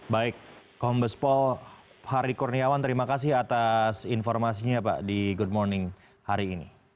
baik kombespol hari kurniawan terima kasih atas informasinya pak di good morning hari ini